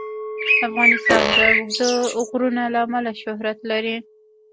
افغانستان د اوږده غرونه له امله شهرت لري.